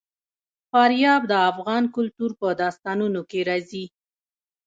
فاریاب د افغان کلتور په داستانونو کې راځي.